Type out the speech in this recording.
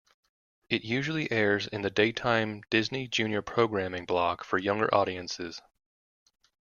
It usually airs in the daytime Disney Junior programming block for younger audiences.